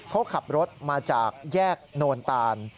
เขาขับรถมาจากแยกโนนตาน